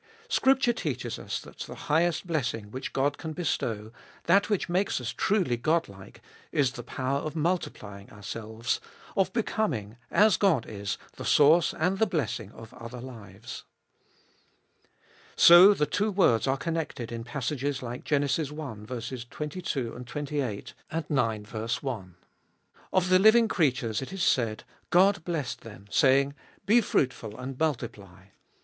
Scripture teaches us that the highest blessing which God can bestow, that which makes us truly Godlike, is the power of multiplying ourselves, of becoming, as God is, the source and the blessing of other lives. So the two words are connected in passages like Gen. i. 22, 28 ; ix. I. Of the living creatures it is said : God blessed them, saying, Be Cbe Ibolfest of 2UI 217 fruitful and multiply.